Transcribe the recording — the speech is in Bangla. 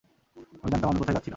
আমি জানতাম আমি কোথায় যাচ্ছিলাম।